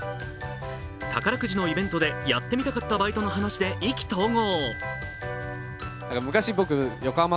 宝くじのイベントで、やってみたかったバイトの話で意気投合。